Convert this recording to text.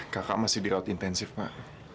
kakak masih dirawat intensif pak